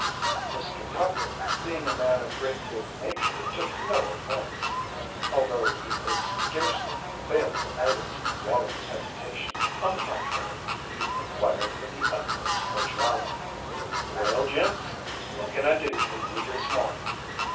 Mr. Tucker being a man of great good nature took no offense, although he could scarcely fail to notice Wallie's hesitation; on the contrary, he inquired with the utmost cordiality: "Well, gents, what can I do for you this morning?"